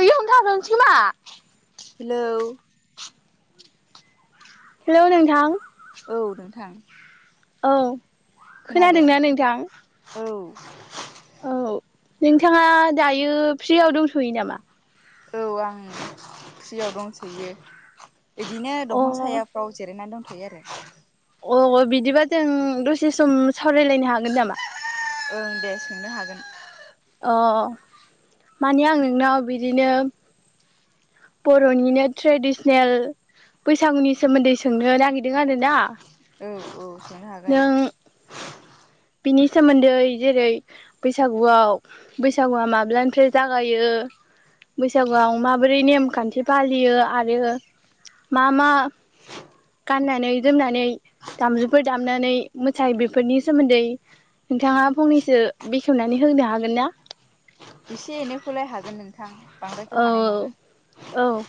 [unintelligible] Hello. Hello नोंथां औ नोंथां औ खोनादों खोनादोंना नोंथां? औ औ नोंथाङा दायो फ्रियाव दंथयो नामा? औ आं फ्रियाव दंथयो। इदिनो अ दंफां सायाफ्राव जिरायनानै दंथयो आरो। अ बिदिबा जों दसे सम सावरायलायनो हागोन नामा? ओं दे सोंनो हागोन। अ माने आं नोंनाव बिदिनो बर'निनो ट्रेडिसनेल बैसागुनि सोमोन्दै सोंनो नागिरदों आरो ना। औ औ सोंनो हागोन। बिनि सोमोन्दै जेरै बैसागुआव बैसागुआ माब्लानिफ्राय जागायो बैसागुआव माबोरै नेमखान्थि फालियो आरो मा मा गाननानै जोमनानै दामजुफोर दामनानै मोसायो बेफोरनि सोमोन्दै नोंथाङा फंनैसो बेखेवनानै होनो हागोन ना? एसे एनैखौलाय हागोन नोंथां बांद्रायथ' औ हानाय नङा। औ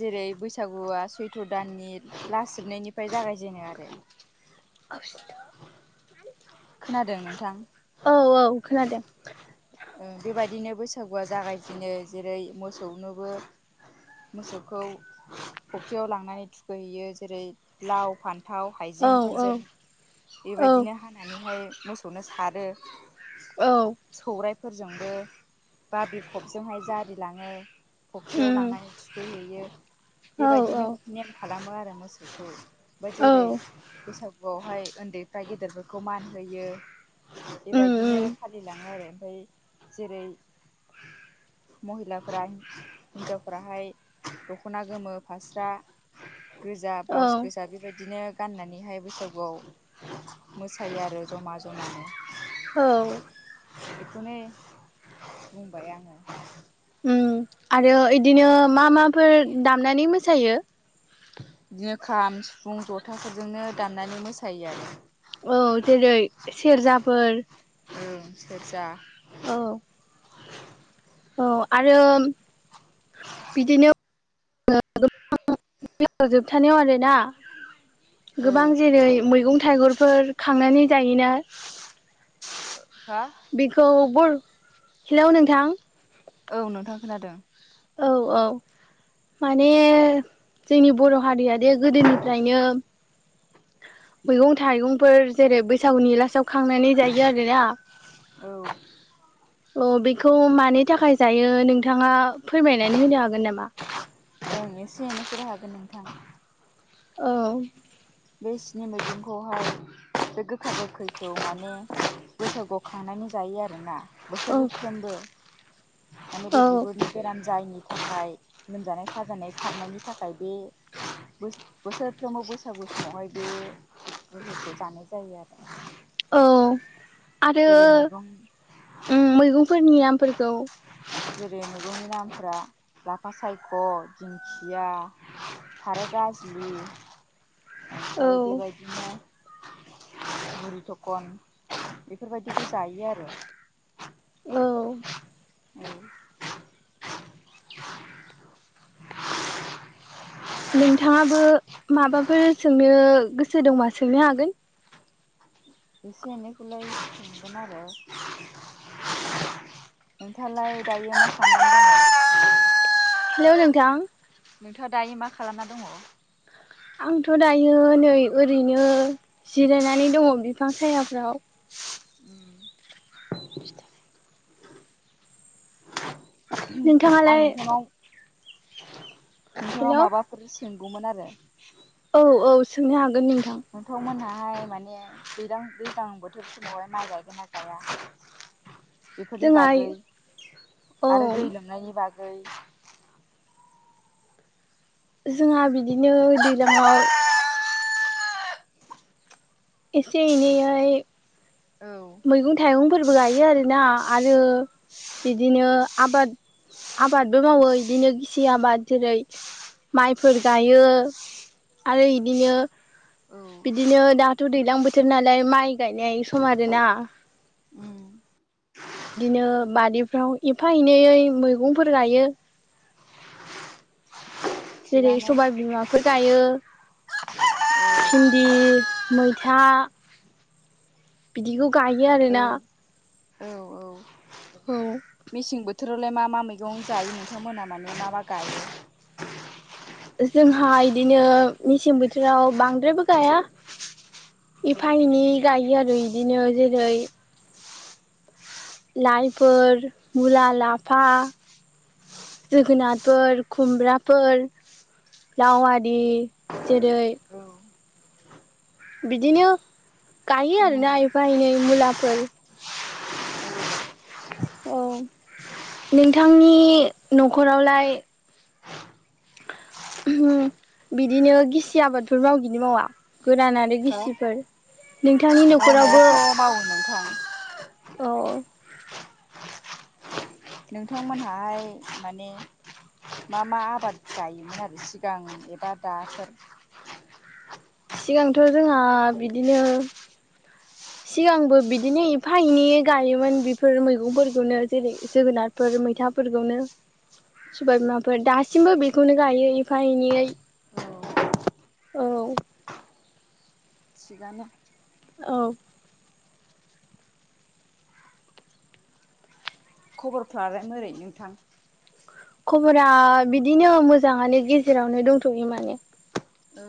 जेरै बैसागुआ सैत्र' दाननि लास जोबनायनिफाय जागायजेनो आरो। [inaudible] हेल' खोनादों नोंथां? औ औ खोनादों। ओं बेबायदिनो बैसागुआ जागायजेनो जेरै मोसौनोबो मोसौखौ फख्रियाव लांनानै थुखैहैयो जेरै लाव, फान थाव औ औ हाइजेंफोरजों औ बेबायदिनो हानानैहाय मोसौनो सारो। औ फोरजोंबो बाब्रिख'बजोंहाय जारिलाङो। फख्रियाव उम लांनानै थुखैहैैयो औ औ बेबायदिनो नेम खालामो आरो मोसौखौ। बा औ जेरै बैसागुआवहाय उन्दैफ्रा गेदेरफोरखौ मान होयो। उम उम बेबायदिनो फालिलाङो आरो ओमफाय जेरै महिलाफ्रा हिन्जावफ्राहाय दख'ना गोमो, फास्रा गोजा औ बाउस गोजा बेबायदिनो गाननानैहाय बैसागुआव मोसायो आरो जमा जमानो। औ बेखौनो बुंबाय आङो। उम आरो इदिनो मा माफोर दामनानै मोसायो? इदिनो खाम, सिफुं, जथाफोरजोंनो दाननानै मोसायो आरो। औ जेरै सेरजाफोर ओं सेरजा औ औ आरो बिदिनो गोबां जोबथानायाव आरो ना। औ गोबां जेरै मैगं थाइगंफोर खांनानै जायोना? हा बेखौ बर हेलौ नोंथां औ नोंथां खोनादों। औ औ माने जोंनि बर' हारिया बे गोदोनिफ्रायनो मैगं थाइगंफोर जेरै बैसागुनि लासाव खांनानै जायो आरोना औ औ बे खौ मानि थाखाय जायो नोंथाङा फोरमायनानै होनो हागोन नामा आ औ बे स्नि मैगंखौहाय बे गोखा गोखैखौ माने बैसागुयाव खानायनै जायो आरो ना औ बोसोरफ्रोमबो माने बे औ बिगुरनि बेराम जायिनि थाखाय लोमजानाय साजानाय खारनायनि थाखाय बे बोस बोसोरफ्रोमबो बैसागु समावहाय बे बुस्थुफोरखौ जानाय जायो आरो औ आरो जेरै मैगं ओं मैगंफोरनि नामफोरखौ जेरै मैगंनि नामफ्रा लाफा सायख दिंखिया थाराय गाज्लि औ ओमफ्राय बेबायदिनो बुरि थखन बेफोरबायदिखौ जायो आरो औ [inaudible] नोंथाङाबो माबाफोर सोंनो गोसो दंबा सोंनो हागोन? एसे एनैखौलाय समगोन आरो। नोंथां लाय दायो माखामदों। हेल' नोंथां नोंथाङा दायो मा खालामना दङ? आंथ' दायो नै ओरैनो जिरायनानै दङ बिफां सायहाफ्राव। नोंथाङालाय नोंथाङा हेलौ माबाफोर सोगौमोन आरो। औ औ सोंनो हागोनव नोंथांमोनहा। नोंथांहाय माने दै दैज्लां बोथोर समावहाय माइ गायगोन ना गाया। बेफोरनि जोंहा बागै औ आरो दै लोमनायनि बागै। जोंहा बिदिनो दैज्लां आव एसे एनैहाय औ मैगं थाइगं। फोरबो गायो आरोना आरो बिदिनो आबाद आबादबो मावो बिदिनो गिसि आबाद जेरै माइफोर गायो। आरो इदिनो औ बिदिनो दा। दाथ' दैज्लां बोथोर नालाय माइ गायनाय सम आरोना। उम बिदिनो बारिदिफ्राव एफा एनैयै मैगंफोर गायो। जेरै थिगानो सबाय बिमाफोर गायो। भिन्दि, मैथा बिदिखौ गायो औ आरोना। औ औ औ। मेसें बोथोरावलाय मा मा मैगं जायो नोंथांमोनहा माने मा मा गायो। जोंहा इदिनो मेसें बोथोराव बांद्रायबो गायाव औ एफा एनै गायो आरो इदिनो जेरै लाइफोर, मुला, लाफा। जोगोनारफोर खुमब्राफोर। राव आरारि औ जेरै औ बिदिनो गायो उम आरोना एफा एनै मुलाफोर। औ नोंथांनि न'खरावलाय बिदिनो गिसि आबादफोर मावगोहोगनायथिहोनाय ना मावा गोरान आरो हो गिसिफोर। नोंथांनि न'खरावबो। मावोमो नोंथां। औ नोंथांमोनहा हाय माने। मा मा आबाद जायोमोन आरो सिगां एबा दाफोर। सिगांथ' जोंहा बिदिनो। सिगांबो बिदिनो एफा एनैै गायोमोन बेफोर मैगंफोरखौनो जेरै जोगोनारफोर मैथाफोरखौनो। सबाय बिमाफोर दासिमबो बेखौनो गायो एफा-एनैयै। औ औ। थिगानो। औ। खबरफ्रालाय मोरै नोंथां। खबरा बिदिनो मोजाङानो गेजेरावनो दंथ'यो माने। औ।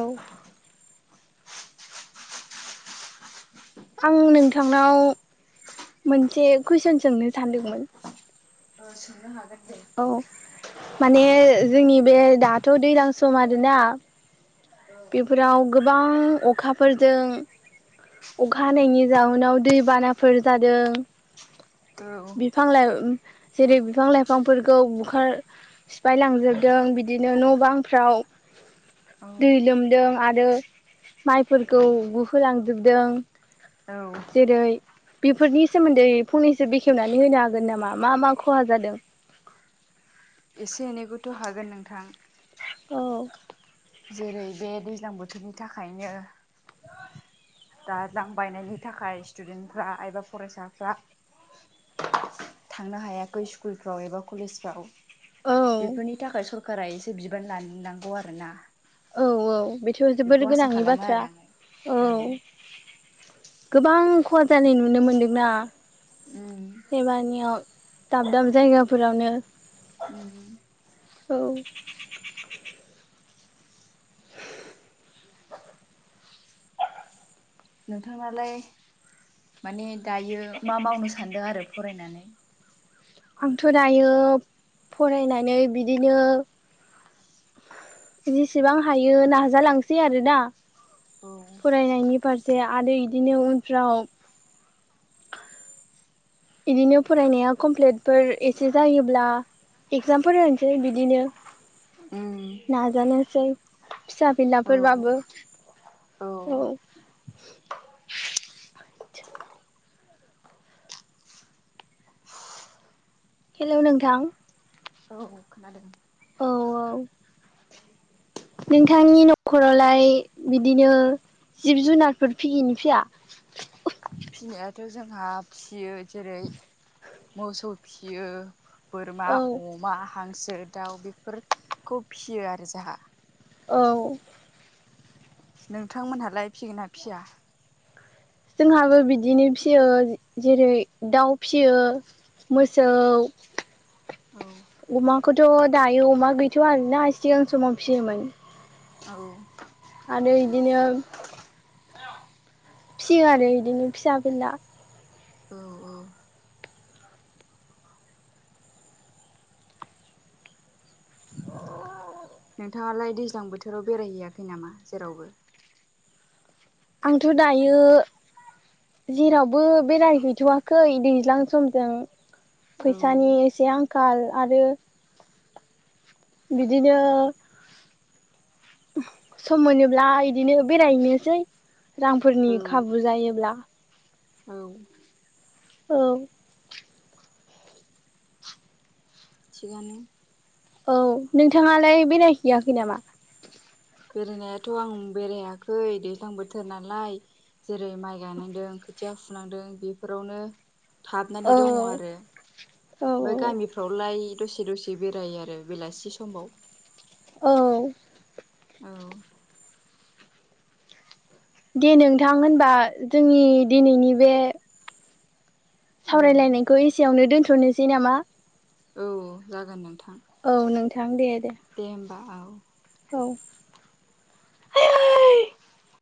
औ। आं नोंथांनाव मोनसे कुइसन सोंनो सानदोंमोन ओ सोंनो हागोन। दे औ माने जोंनि बे दाथ' दैज्लां सम आरोना औ बेफोराव गोबां अखाफोरजों अखा हानायनि जाउनाव दैबानाफोर जादों। दौ [unintelligible] बिफां लाइ जेरै बिफां लाइफांफोरखौ बुखार सिफाय लांजोबदों बिदिनो न' बांफ्राव औ। दै लोमदों आरो माइफोरखौ गुहोलांजोबदों। औ जेरै बेफोरनि सोमोन्दै फंनैसो बेखेवनानै होनो हागोन नामा मा मा खहा जादों? [inaudible] एसे एनैखौथ' हागोन नोंथां। औ। जेरै बे दैज्लां बोथोरनि थाखायनो दालां बायनायनि थाखाय स्टुडेन्टफ्रा एबा फरायसाफ्रा थांनो हायाखै स्कुलफ्राव एबा कलेजफ्राव औ बेफोरनि थाखाय सरखारा एसे बिबान लानो नांगौ आरोना औ औ बेथ' बेखौ जोबोर आसा गोनांनि खालामो बाथ्रा आरो औ आङो गोबां खहा जानाय नुनो मोनदोंना उम एबानियाव। दाब दाब जायगाफोरावनो। उम उम औ नोंथाङालाय माने दायो मा मावनो सान्दों आरो फरायनानै आंथ' दायो फरायनानै बिदिनो। जेसेबां हायो नाजालांसै आरोना औ फरायनायनि फारसे। आरो बिदिनो उनफ्राव बिदिनो फरायनाया कमप्लिटफोर एसे जायोब्ला एगजामफोर होनोसै बिदिनो। उम नाजानोसै फिसा औ फिलाफोरबाबो। औ। हेल' नोंथां। औ औ खोनादों। औ औ। [inaudible] नोंथांनि न'खरावलाय बिदिनो। जिब जुनारफोर फियिनि फिया? फिनायाथ' जोंहा फिसियो जेरै मोसौ फियो। बोरमा, औ अमा, हांसो, दाउ बेफोरखौ फियो आरो जोंहा। औ नोंथांमोनहालाय फिगोना फिया। जोंहाबो बिदिनो फियो जेरै दाउ फियो। मोसौ औ अमाखौथ' दायो अमा गैथ'वा आरोना सिगां समाव फियोमोन। औ आरो बिदिनो फियो आरो बिदिनो फिसा फिला। औ औ नोंथाङालाय दैज्लां बोथोराव बेरायहैयाखै नामा जेरावबो आंथ' दायो जेरावबो बेरायहैथ'वाखै दैज्लां समजों औ फैसानि एसे आंखाल आरो बिदिनो सम मोनोब्ला इदिनो बेरायहैनोसै रांफोरनि औ खाबु जायोब्ला औ औ थिगनो औ नोंथाङालाय बेरायहैयाखै नामा बेरायनायाथ' आं बेरायाखै दैज्लां बोथोर नालाय जेरै माइ गायनांदों खोथिया फुनांदों बेफोरावनो थाबनानै दङ औ आरो औ ओमफ्राय गामिफ्रावलाय दसे दसे बेरायो आरो बेलासि समाव औ औ दे नोंथां होनबा जोंनि दिनैनि बे औ सावरायलायनायखौ एसेयावनो दोन्थ'नोसै नामा औ जागोन नोंथां औ नोंथां दे दे होमबा औ औ